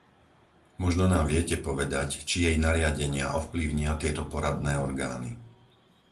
Možno nám viete povedať, či jej nariadenia ovplyvnia tieto poradné orgány.